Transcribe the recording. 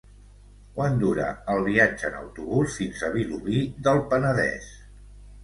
Quant dura el viatge en autobús fins a Vilobí del Penedès?